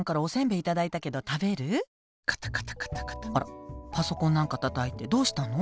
あらパソコンなんかたたいてどうしたの？